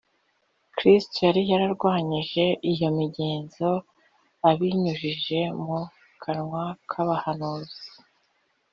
kristo yari yararwanyije iyo migenzo abinyujije mu kanwa k’abahanuzi